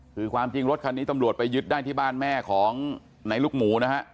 คือความจริงรถคันนี้ตำรวจไปยึดได้ที่บ้านแม่ของในลูกหมูนะฮะ